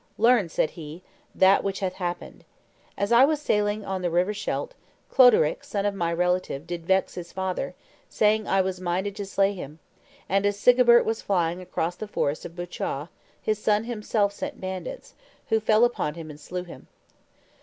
"Learn," said he, "that which hath happened. As I was sailing on the river Scheldt, Cloderic, son of my relative, did vex his father, saying I was minded to slay him; and as Sigebert was flying across the forest of Buchaw, his son himself sent bandits, who fell upon him and slew him.